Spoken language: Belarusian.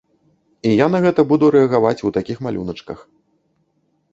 І я на гэта буду рэагаваць у такіх малюначках.